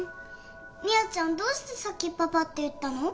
美也ちゃんどうしてさっきパパって言ったの？